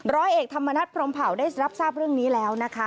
ร้อยเอกธรรมนัฐพรมเผาได้รับทราบเรื่องนี้แล้วนะคะ